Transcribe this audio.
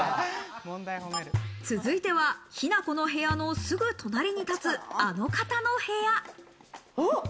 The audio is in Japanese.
続いては雛子の部屋のすぐ隣に立つ、あの方の部屋。